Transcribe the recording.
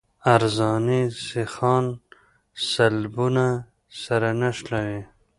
عرضاني سیخان سلبونه سره نښلوي